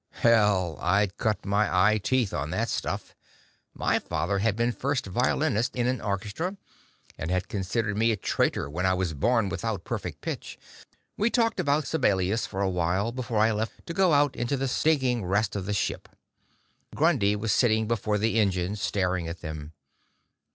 Hell, I'd cut my eye teeth on that stuff; my father had been first violinist in an orchestra, and had considered me a traitor when I was born without perfect pitch. We talked about Sibelius for awhile, before I left to go out into the stinking rest of the ship. Grundy was sitting before the engines, staring at them.